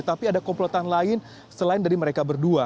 tapi ada komplotan lain selain dari mereka berdua